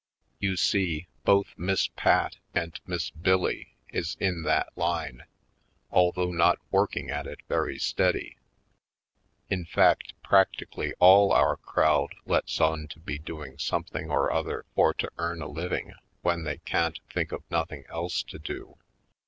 You see, both Miss Pat and Miss Bill Lee is in that line, although not working at it very steady. In fact, practically all our crowd lets on to be doing something or other for to earn a living when they can't think of noth ing else to do.